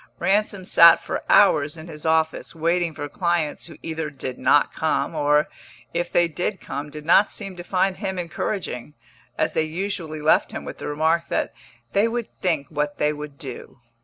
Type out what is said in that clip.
Ransom sat for hours in his office, waiting for clients who either did not come, or, if they did come, did not seem to find him encouraging, as they usually left him with the remark that they would think what they would do.